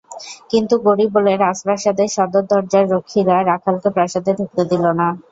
কিন্তু গরিব বলে রাজপ্রাসাদের সদর দরজার রক্ষীরা রাখালকে প্রাসাদে ঢুকতে দিল না।